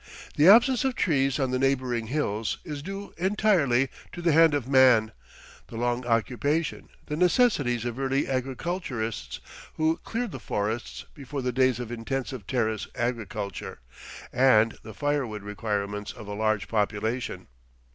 The absence of trees on the neighboring hills is due entirely to the hand of man, the long occupation, the necessities of early agriculturists, who cleared the forests before the days of intensive terrace agriculture, and the firewood requirements of a large population.